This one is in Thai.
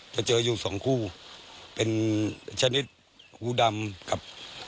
จะเจออยู่สองคู่เป็นชนิดหูดำกับ